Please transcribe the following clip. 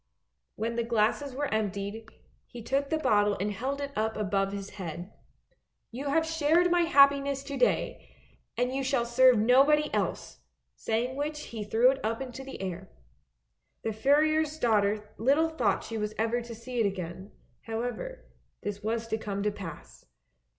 When the glasses were emptied, he took the bottle and held it up above his head. " You have shared my happiness to day, and you shall serve nobody else, saying which he threw it up into the air. The furrier's daughter little thought she was ever to see it again; however this was to come to pass.